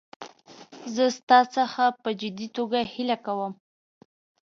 زه ستا څخه په جدي توګه هیله کوم.